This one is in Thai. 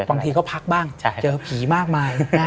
บางทีก็พักบ้างเจอผีมากมาย